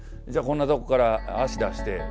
「じゃあこんなとこから足出して」